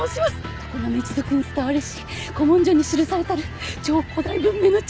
常滑一族に伝わりし古文書に記されたる超古代文明の地